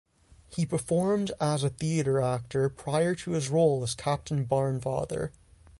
He performed as a theatre actor prior to his role as Captain Barnfather.